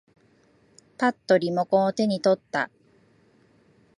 ぱっとリモコンを手に取った。